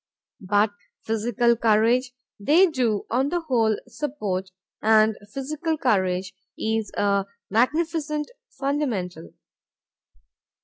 But physical courage they do, on the whole, support; and physical courage is a magnificent fundamental.